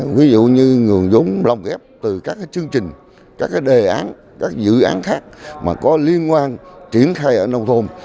ví dụ như nguồn giống lồng ghép từ các chương trình các đề án các dự án khác mà có liên quan triển khai ở nông thôn